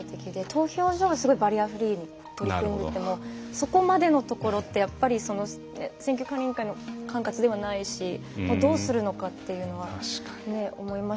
投票所がすごいバリアフリーに取り組んでてもそこまでのところってやっぱり選挙管理委員会の管轄ではないしどうするのかっていうのは思いましたし。